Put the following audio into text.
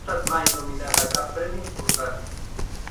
No ha estat mai nominat a cap premi important.